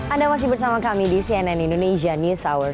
anda masih bersama kami di cnn indonesia news hour